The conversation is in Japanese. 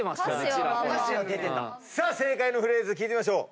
正解のフレーズ聴いてみましょう。